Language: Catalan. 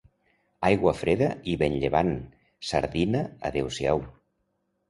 Aigua freda i vent llevant, sardina adeu-siau.